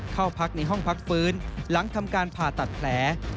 เข้าพักในห้องพักฟื้นหลังทำการผ่าตัดแผล